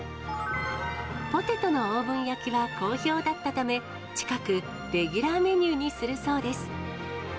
ポテトのオーブン焼きは好評だったため、近く、レギュラーメニューにするそうです。